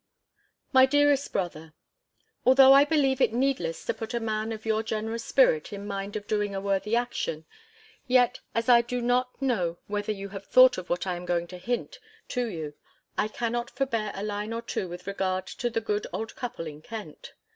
_ MY DEAREST BROTHER, Although I believe it needless to put a man of your generous spirit in mind of doing a worthy action; yet, as I do not know whether you have thought of what I am going to hint to you, I cannot forbear a line or two with regard to the good old couple in Kent.